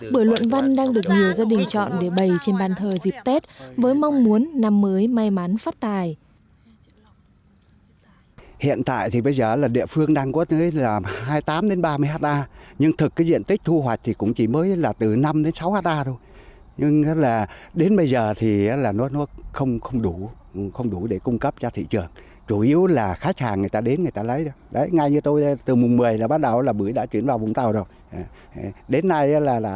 bưởi luận văn đang được nhiều gia đình chọn để bày trên bàn thờ dịp tết với mong muốn năm mới may mắn phát tài